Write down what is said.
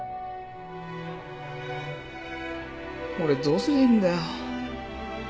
俺どうすりゃいいんだよ。